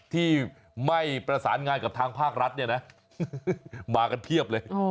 ที่ไม่ประสานงานกับทางภาครัฐเนี่ยนะมากันเพียบเลย